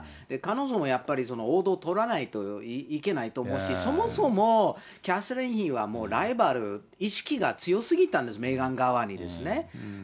彼女はやっぱり王道を取らないといけないと思うし、そもそもキャサリン妃はもう、ライバル意識が強すぎたんです、メーガン側にですね。